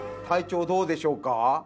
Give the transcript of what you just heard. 隊長どうでしょうか？